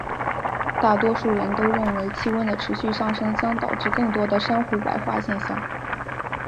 大多数人都认为气温的持续上升将导致更多的珊瑚白化现象。